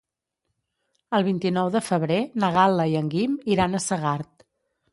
El vint-i-nou de febrer na Gal·la i en Guim iran a Segart.